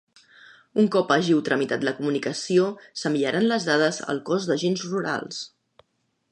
Un cop hàgiu tramitat la comunicació s'enviaran les dades al Cos d'Agents Rurals.